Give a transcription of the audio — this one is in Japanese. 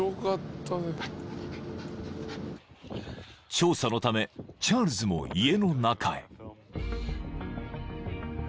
［調査のためチャールズも家の中へ］